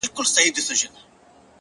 • د پامیر دي، د هري، د ننګرهار دي ,